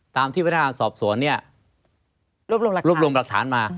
ตามที่พนักงานสอบสวนรวบรวมหลักฐานมา